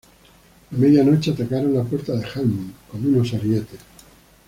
A media noche, atacaron la Puerta de Helm con unos arietes.